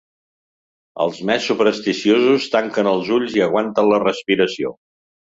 Els més supersticiosos tanquen els ulls i aguanten la respiració.